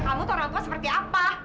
kamu tuh orang tua seperti apa